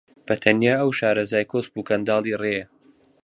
بە تەنیا ئەوە شارەزای کۆسپ و کەنداڵی ڕێیە